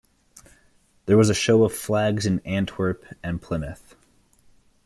There was a show of flags in Antwerp and Plymouth.